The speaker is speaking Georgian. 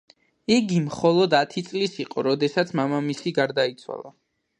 იგი მხოლოდ ათი წლის იყო, როდესაც მამამისი გარდაიცვალა.